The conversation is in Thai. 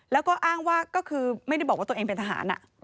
แล้วก็อ้างว่าก็คือไม่ได้บอกว่าตัวเองเป็นทหาร